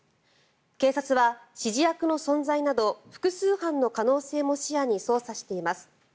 警察は指示役の存在など複数犯の可能性も視野に捜査しています。